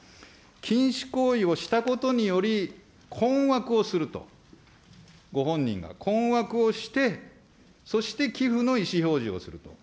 禁止行為をしたことにより、困惑をすると、ご本人が困惑をして、そして、寄付の意思表示をすると。